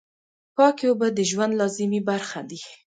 پاکې اوبه د ژوند لازمي برخه دي.